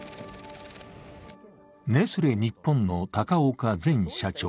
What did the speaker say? ネスレ日本の高岡前社長。